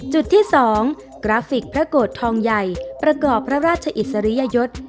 จุดที่๒กราฟิกพระโกรธทองใหญ่ประกอบพระราชอิสริยยศ